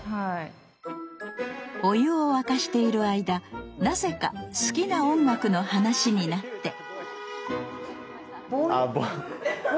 お湯を沸かしている間なぜか好きな音楽の話になってＢＯＷＹ？